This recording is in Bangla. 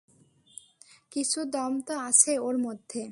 কিছু দমতো আছে ওর মধ্যে।